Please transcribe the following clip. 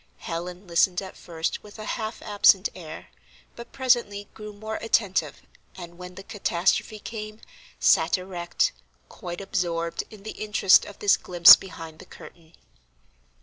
Helen listened at first with a half absent air, but presently grew more attentive, and when the catastrophe came sat erect, quite absorbed in the interest of this glimpse behind the curtain.